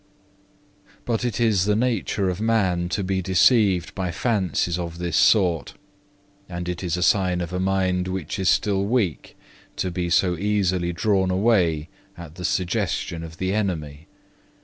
3. "But it is the nature of man to be deceived by fancies of this sort, and it is a sign of a mind which is still weak to be so easily drawn away at the suggestion of the enemy.